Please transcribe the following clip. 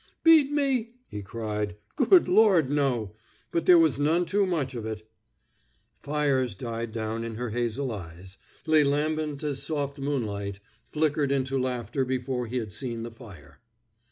"Beat me?" he cried. "Good Lord, no; but there was none too much in it." Fires died down in her hazel eyes, lay lambent as soft moonlight, flickered into laughter before he had seen the fire.